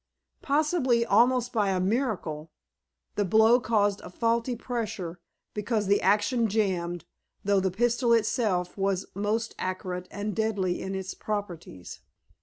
Possibly, almost by a miracle, the blow caused a faulty pressure, because the action jammed, though the pistol itself was most accurate and deadly in its properties.